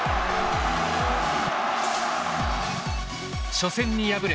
初戦に敗れ